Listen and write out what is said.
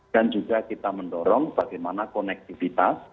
dan juga kita mendorong bagaimana konektivitas